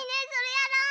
やろう！